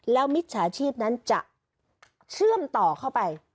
แล้วมิจฉาชีพนั้นจะเชื่อมต่อเข้าไป